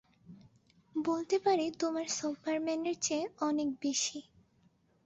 বলতে পারি তোমার সুপারম্যানের চেয়ে অনেক বেশি।